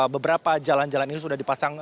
beberapa jalan jalan ini sudah dipasang